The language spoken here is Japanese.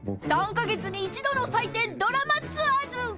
［３カ月に一度の祭典『ドラマツアーズ』］